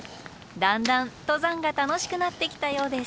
だんだん登山が楽しくなってきたようです。